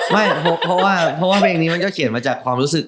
ไม่เพราะว่าเพลงนี้มันก็เขียนมาจากความรู้สึก